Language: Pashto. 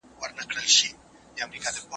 مرکزي حکومت منځ ته راغلی دی.